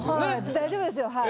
大丈夫ですよはい。